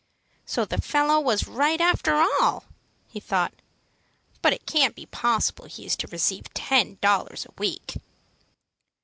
"So the fellow was right, after all," he thought. "But it can't be possible he is to receive ten dollars a week."